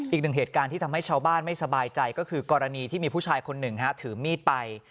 อีกหนึ่งเหตุการณ์ที่ทำให้ชาวบ้านไม่สบายใจก็คือกรณีที่มีผู้ชายคนหนึ่งถือมีดไป